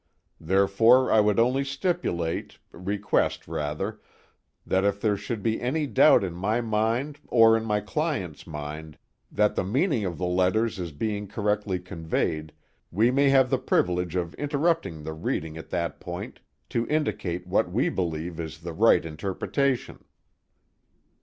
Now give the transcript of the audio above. Therefore I would only stipulate, request rather, that if there should be any doubt in my mind, or in my client's mind, that the meaning of the letters is being correctly conveyed, we may have the privilege of interrupting the reading at that point, to indicate what we believe is the right interpretation.